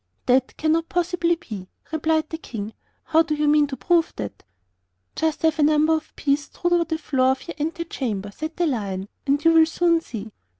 'That cannot possibly be,' replied the King; 'how do you mean to prove that?' 'Just have a number of peas strewed over the floor of your ante chamber,' said the Lion, 'and you will soon see.